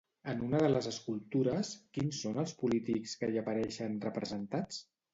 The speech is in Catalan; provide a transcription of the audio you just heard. En una de les escultures, quins són els polítics que hi apareixen representats?